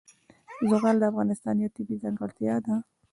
زغال د افغانستان یوه طبیعي ځانګړتیا ده.